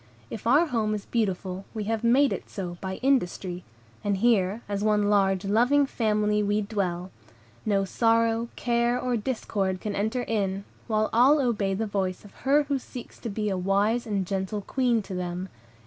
If our home is beautiful, we have made it so by industry; and here, as one large, loving family, we dwell; no sorrow, care, or discord can enter in, while all obey the voice of her who seeks to be a wise and gentle Queen to them.